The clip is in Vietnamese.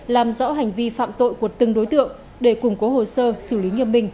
làm rõ hành vi phạm tội của từng đối tượng để củng cố hồ sơ xử lý nghiêm minh